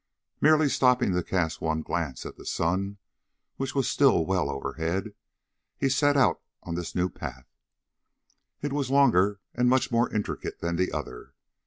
Merely stopping to cast one glance at the sun, which was still well overhead, he set out on this new path. It was longer and much more intricate than the other.